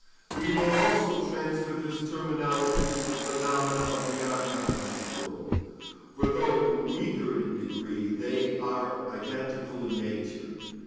We may also transfer this terminology to the phenomena of the unconscious world, for though weaker in degree, they are identical in nature.